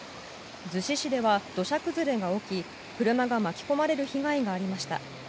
逗子市では土砂崩れが起き車が巻き込まれる被害がありました。